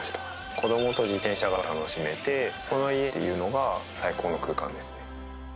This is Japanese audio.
子どもと自転車が楽しめてこの家っていうのが最高の空間ですね。